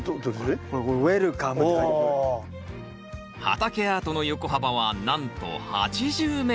畑アートの横幅はなんと８０ｍ。